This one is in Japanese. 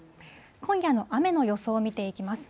今夜の雨の予想を見ていきます。